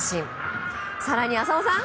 更に浅野さん